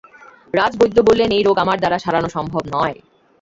রাজবৈদ্য বললেন এই রোগ আমার দ্বারা সারানো সম্ভব নয়।